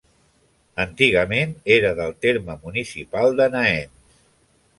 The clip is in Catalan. Antigament era del terme municipal de Naens.